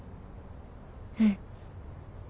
うん。